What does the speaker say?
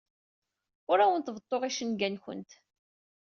Ur awent-beḍḍuɣ icenga-nwent.